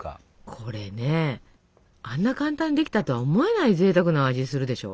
これねあんな簡単にできたとは思えないぜいたくな味するでしょ？